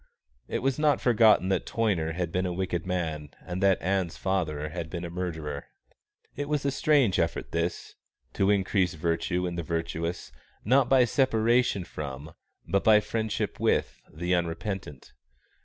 It was not forgotten that Toyner had been a wicked man and that Ann's father had been a murderer. It was a strange effort this, to increase virtue in the virtuous, not by separation from, but by friendship with, the unrepentant.